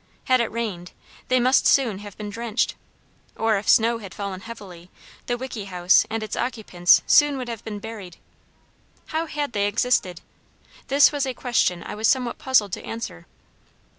Had it rained, they must soon have been drenched, or if snow had fallen heavily, the 'wickey' house and its occupants soon would have been buried. How had they existed? This was a question I was somewhat puzzled to answer.